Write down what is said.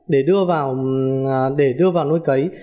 để đưa vào nuôi cấy